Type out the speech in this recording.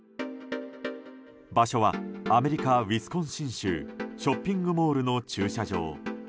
場所はアメリカ・ウィスコンシン州ショッピングモールの駐車場。